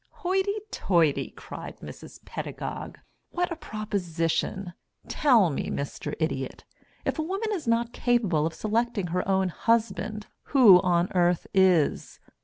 "Hoity toity," cried Mrs. Pedagog. "What a proposition. Tell me, Mr. Idiot, if a woman is not capable of selecting her own husband, who on earth is?